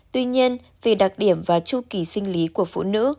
tuy nhiên vì đặc điểm và chu kỳ sinh lý của phụ nữ